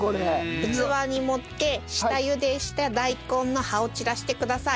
器に盛って下ゆでした大根の葉を散らしてください。